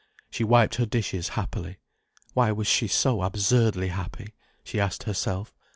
She wiped her dishes happily. Why was she so absurdly happy, she asked herself?